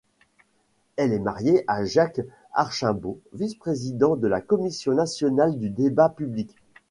Elle est mariée à Jacques Archimbaud, vice-président de la Commission nationale du débat public.